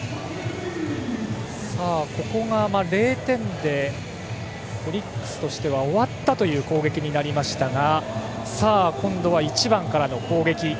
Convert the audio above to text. ここ、０点でオリックスとしては終わった攻撃になりましたが今度は１番からの攻撃。